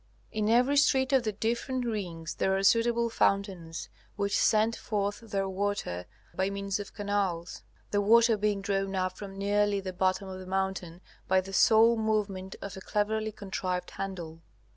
In every street of the different rings there are suitable fountains, which send forth their water by means of canals, the water being drawn up from nearly the bottom of the mountain by the sole movement of a cleverly contrived handle.